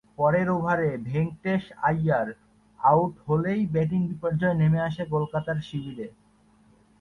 পরের ওভারে ভেঙ্কটেশ আইয়ার আউট হলেই ব্যাটিং বিপর্যয় নেমে আসে কলকাতার শিবিরে।